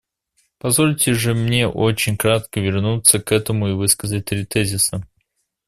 Позвольте же мне очень кратко вернуться к этому и высказать три тезиса.